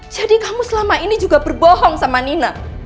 jadi kamu selama ini juga berbohong sama nina